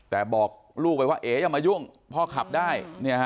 แต่บอกลูกไปว่าเอ๋อย่ามายุ่งพ่อขับได้